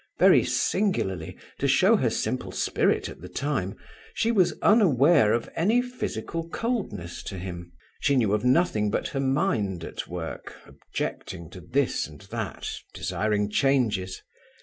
Very singularly, to show her simple spirit at the time, she was unaware of any physical coldness to him; she knew of nothing but her mind at work, objecting to this and that, desiring changes.